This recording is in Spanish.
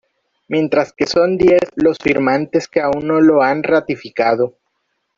Mientras que son diez los firmantes que aún no lo han ratificado.